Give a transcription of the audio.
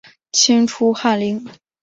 清初翰林。